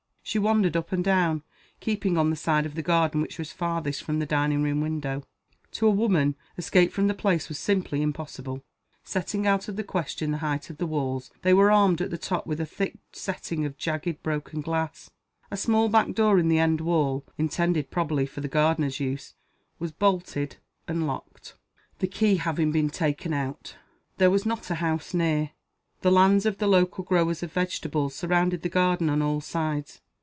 She wandered up and down, keeping on the side of the garden which was farthest from the dining room window. To a woman, escape from the place was simply impossible. Setting out of the question the height of the walls, they were armed at the top with a thick setting of jagged broken glass. A small back door in the end wall (intended probably for the gardener's use) was bolted and locked the key having been taken out. There was not a house near. The lands of the local growers of vegetables surrounded the garden on all sides.